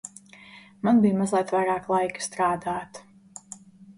Man bija mazliet vairāk laika strādāt.